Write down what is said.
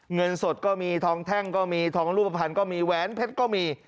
เงินสดก็มีทองแท่งก็มีทองรูปภัณฑ์ก็มีแหวนเพชรก็มี